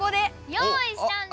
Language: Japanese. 用意したんです！